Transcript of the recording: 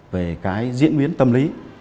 về cái diễn biến tâm lý